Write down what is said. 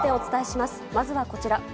まずはこちら。